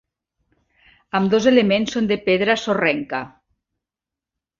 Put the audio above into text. Ambdós elements són de pedra sorrenca.